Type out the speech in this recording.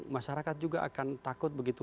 masyarakat juga akan takut begitu